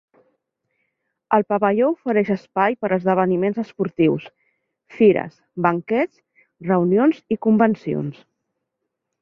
El pavelló ofereix espai per a esdeveniments esportius, fires, banquets, reunions i convencions.